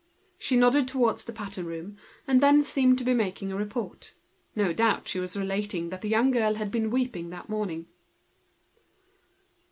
She indicated with her eyes the pattern room, then seemed to be making a report. No doubt she was relating that the young girl had been weeping that morning.